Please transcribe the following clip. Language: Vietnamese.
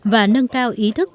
và nâng cao ý thức